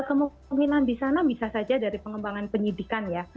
kemungkinan di sana bisa saja dari pengembangan penyidikan ya